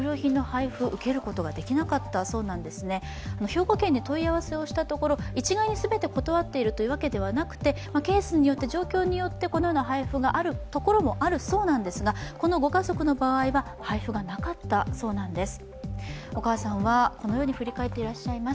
兵庫県に問い合わせをしたところ、一概に全て断っているわけではなくケース、状況によってこのような配付があるところもあるそうなんですがこのご家族の場合は配布がなかったそうなんです。